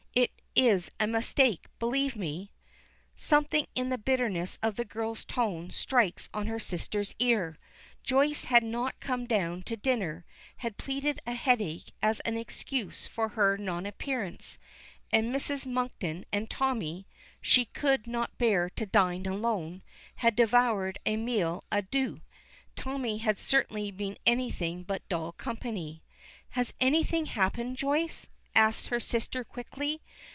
It is a mistake, believe me." Something in the bitterness of the girl's tone strikes on her sister's ear. Joyce had not come down to dinner, had pleaded a headache as an excuse for her non appearance, and Mrs. Monkton and Tommy (she could not bear to dine alone) had devoured that meal à deux. Tommy had certainly been anything but dull company. "Has anything happened, Joyce?" asks her sister quickly.